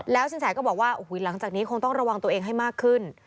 สินแสก็บอกว่าโอ้โหหลังจากนี้คงต้องระวังตัวเองให้มากขึ้น